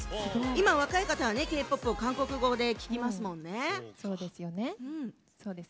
今、若い方はＫ‐ＰＯＰを韓国語で聴きますもんね。